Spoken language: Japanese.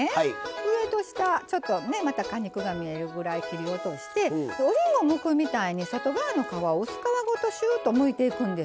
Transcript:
上と下ちょっとねまた果肉が見えるぐらい切り落としておりんごむくみたいに外側の皮を薄皮ごとしゅーっとむいていくんですわ。